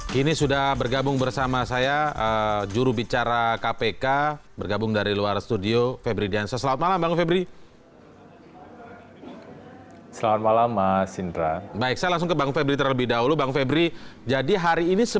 kini sudah bergabung bersama saya juru bicara kpk bergabung dari luar studio febri diansa